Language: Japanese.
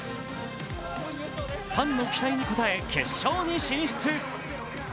ファンの期待に応え決勝に進出。